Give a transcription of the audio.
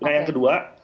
nah yang kedua